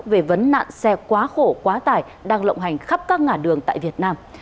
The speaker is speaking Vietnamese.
về vấn nạn xe quá khổ quá tải đang lộng hành khắp các ngã đường tại việt nam